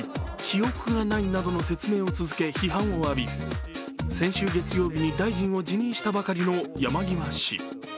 記憶がないなどの説明を続け、批判を浴び先週月曜日に大臣を辞任したばかりの山際氏。